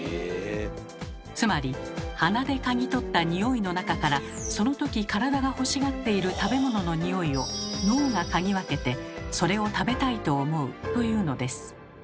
つまり鼻で嗅ぎ取った匂いの中からその時体が欲しがっている食べ物の匂いを脳が嗅ぎ分けてそれを食べたいと思うというのです。